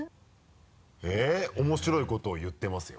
えっ面白いことを言ってますよ？